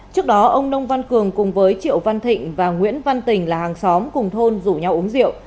trước đó ông nông văn cường cùng với triệu văn thịnh và nguyễn văn tình là hàng xóm cùng thôn rủ nhau uống rượu